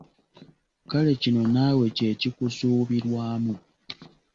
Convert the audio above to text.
Kale kino naawe kye kikusuubirwamu.